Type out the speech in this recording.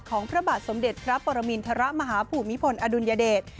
พระบาทสมเด็จพระปรมินทรมาฮภูมิพลอดุลยเดช